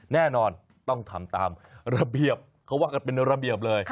แน่นอนต้องทำตามระเบียบเขาว่ากันเป็นระเบียบเลย